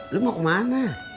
lu mau kemana